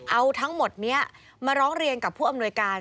เอาทั้งหมดนี้มาร้องเรียนกับผู้อำนวยการ